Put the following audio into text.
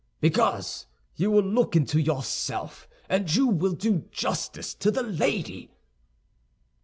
"Because you will look into yourself, and you will do justice to the lady."